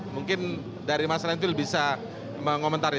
mungkin dari mas lentil bisa mengomentasikan